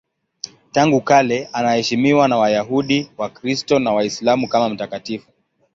Tangu kale anaheshimiwa na Wayahudi, Wakristo na Waislamu kama mtakatifu.